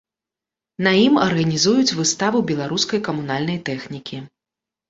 На ім арганізуюць выставу беларускай камунальнай тэхнікі.